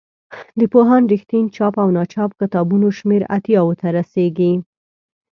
د پوهاند رښتین چاپ او ناچاپ کتابونو شمېر اتیاوو ته رسیږي.